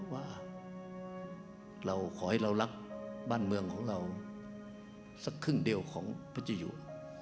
ว่าเราขอให้เรารักบ้านเมืองของเราสักครึ่งเดียวของพระเจ้าอยู่